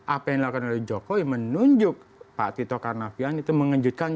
apa yang dilakukan oleh jokowi menunjuk pak tito karnavian itu mengejutkan